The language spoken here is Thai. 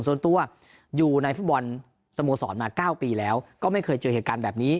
ส่วนตัวอยู่ในฟุตบอลสโมสรมา๙ปีแล้วก็ไม่เคยเจอเหตุการณ์แบบนี้